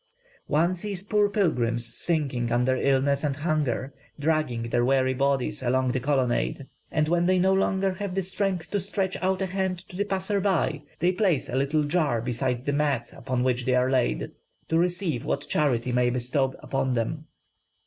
One sees poor pilgrims, sinking under illness and hunger, dragging their weary bodies along the colonnade; and when they no longer have the strength to stretch out a hand to the passer by, they place a little jar beside the mat upon which they are laid, to receive what charity may bestow upon them.